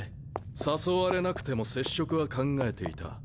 誘われなくても接触は考えていた。